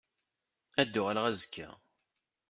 Ad d-uɣaleɣ azekka.